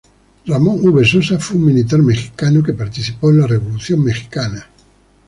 Ramón V. Sosa fue un militar mexicano que participó en la Revolución mexicana.